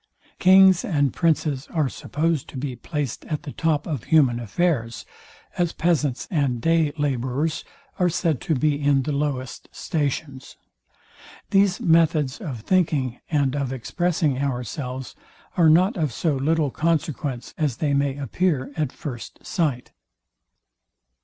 Kings and princes are supposed to be placed at the top of human affairs; as peasants and day labourers are said to be in the lowest stations. These methods of thinking, and of expressing ourselves, are not of so little consequence as they may appear at first sight.